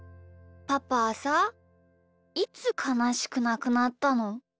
パパはさいつかなしくなくなったの？